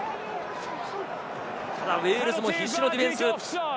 ただウェールズも必死のディフェンス。